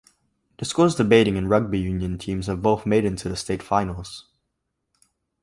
The school's debating and rugby union teams have both made it into state finals.